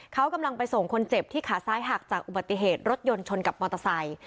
เขากำลังไปส่งคนเจ็บที่ขาซ้ายหักจากอุบัติเหตุรถยนต์ชนกับมอเตอร์ไซค์